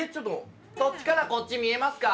そっちからこっち見えますか？